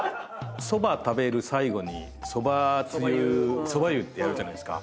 そば食べる最後にそばつゆそば湯ってやるじゃないですか。